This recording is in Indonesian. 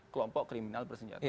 kelompok kriminal bersenjata